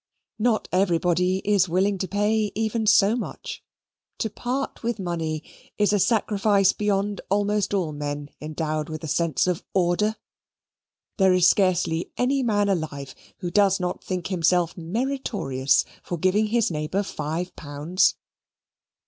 Not everybody is willing to pay even so much. To part with money is a sacrifice beyond almost all men endowed with a sense of order. There is scarcely any man alive who does not think himself meritorious for giving his neighbour five pounds.